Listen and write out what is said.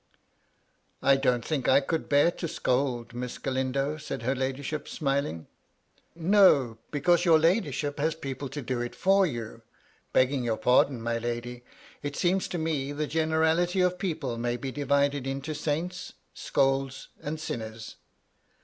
''" I don't think I could bear to scold. Miss Galindo," said her ladyship, smiling. MY LADY LUDLOW. 213 " No ! because your ladyship has people to do it for you. Begging your pardon, my lady, it seems to me the generality of people may be divided into saints, scolds, and sinners.